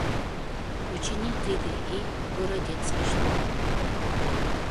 Очыни, тиде ий Городец гыч толын.